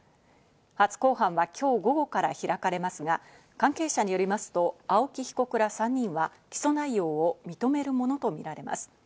初公判は今日午後から開かれますが、関係者によりますと青木被告ら３人は起訴内容を認めるものとみられます。